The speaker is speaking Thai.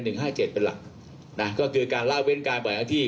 หนึ่งห้าเจ็ดเป็นหลักน่ะก็คือการเล่าเว้นการปล่อยอาทิตย์